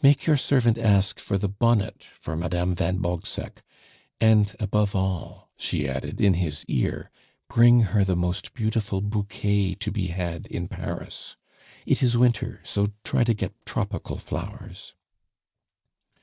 "Make your servant ask for the bonnet for Madame van Bogseck. And, above all," she added in his ear, "bring her the most beautiful bouquet to be had in Paris. It is winter, so try to get tropical flowers."